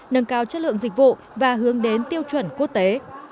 nâng cao chất lượng dịch vụ và hướng đến tiêu chuẩn quốc tế